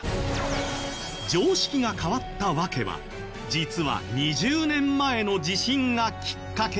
常識が変わった訳は実は２０年前の地震がきっかけだった。